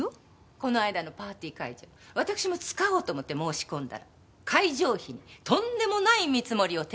この間のパーティー会場わたくしも使おうと思って申し込んだら会場費にとんでもない見積もりを提示されたわ。